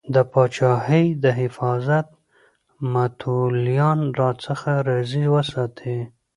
د پاچاهۍ د حفاظت متولیان راڅخه راضي وساتې.